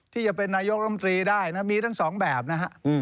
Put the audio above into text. ที่จะเป็นนายกรมตรีได้นะมีทั้งสองแบบนะฮะ